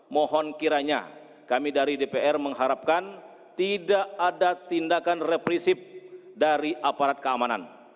mohon kiranya kami dari dpr mengharapkan tidak ada tindakan reprisip dari aparat keamanan